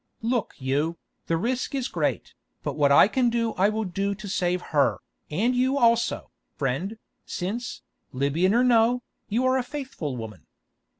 Look you, the risk is great, but what I can do I will do to save her, and you also, friend, since, Libyan or no, you are a faithful woman.